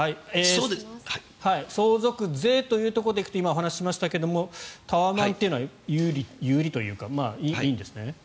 相続税というところで行くと今お話ししましたがタワマンというのは有利有利というか、いいんですね。